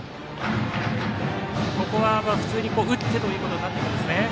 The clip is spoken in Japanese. ここは打ってということになっていくんですね。